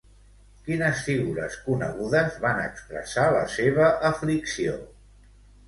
Quines figures conegudes van expressar la seva aflicció?